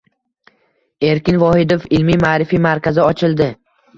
Erkin Vohidov ilmiy-ma’rifiy markazi ochildi